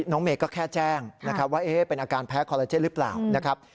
น้องเมย์ก็แค่แจ้งว่าเป็นอาการแพ้คอลลาเจนหรือเปล่า